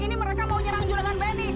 ini mereka mau nyerang jurangan benny